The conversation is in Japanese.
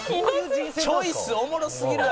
チョイスおもろすぎるやろ。